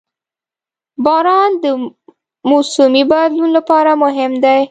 • باران د موسمي بدلون لپاره مهم دی.